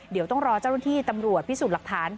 เดี๋ยวต้องรอเจ้าหน้าที่ตำรวจพิสูจน์หลักฐาน